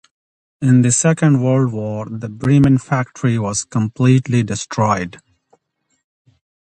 In the Second World War, the Bremen factory was completely destroyed.